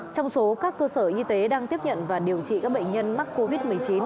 trong số các cơ sở y tế đang tiếp nhận và điều trị các bệnh nhân mắc covid một mươi chín